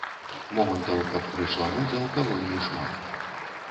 Момантаў, каб прыйшла муза, у калоніі шмат.